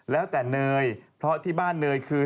แล้วแต่เนยเพราะที่บ้านเนยคือ